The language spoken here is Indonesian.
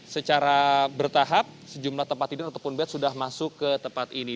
secara bertahap sejumlah tempat tidur ataupun bed sudah masuk ke tempat ini